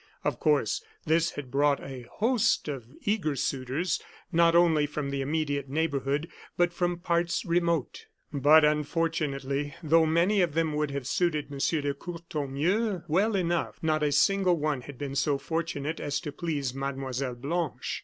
Of course this had brought a host of eager suitors, not only from the immediate neighborhood, but from parts remote. But, unfortunately, though many of them would have suited M. de Courtornieu well enough, not a single one had been so fortunate as to please Mlle. Blanche.